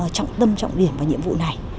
trọng tâm trọng điểm vào nhiệm vụ này